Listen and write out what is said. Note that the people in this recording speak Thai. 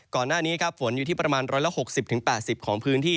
ก่อนหน้านี้ครับฝนอยู่ที่ประมาณ๑๖๐๘๐ของพื้นที่